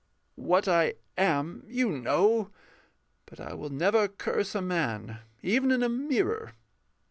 What I am You know. But I will never curse a man, Even in a mirror.